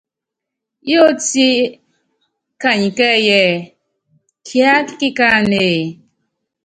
Yóótíe kani kɛ́ɛ́yí ɛ́ɛ́: Kiáká kikáánéé?